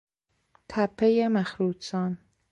تپهی مخروطسان